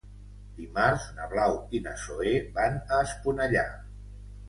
Dimarts na Blau i na Zoè van a Esponellà.